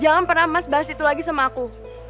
jangan pernah mas bahas itu lagi sama aku